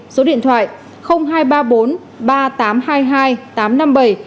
số điện thoại hai trăm ba mươi bốn ba nghìn tám trăm hai mươi hai tám trăm năm mươi bảy